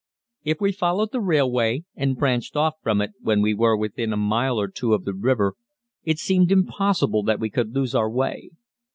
If we followed the railway and branched off from it when we were within a mile or two of the river it seemed impossible that we could lose our way.